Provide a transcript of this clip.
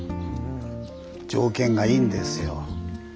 条件がいいんですよ。